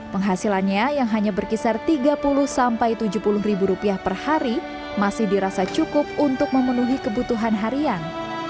penghasilannya yang hanya berkisar tiga puluh sampai tujuh puluh ribu rupiah per hari masih dirasa cukup untuk memenuhi kebutuhan harian